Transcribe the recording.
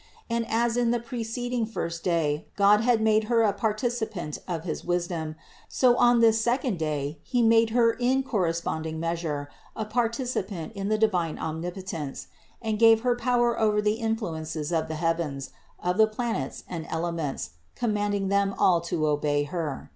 And as in the preceding first day God had made Her a participant of his wisdom, so on this second day, He made Her in corresponding measure a participant in the divine Omnipotence, and gave Her power over the influences of the heavens, of the planets and elements, commanding them all to obey Her.